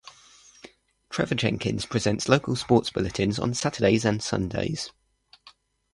Trevor Jenkins presents local sport bulletins on Saturdays and Sundays.